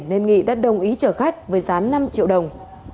nên nghệ đã đồng ý chở khách với gián năm triệu đồng